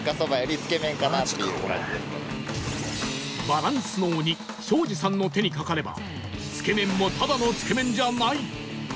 バランスの鬼庄司さんの手にかかればつけめんもただのつけめんじゃない